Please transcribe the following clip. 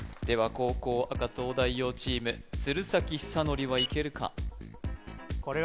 後攻赤東大王チーム鶴崎修功はいけるか？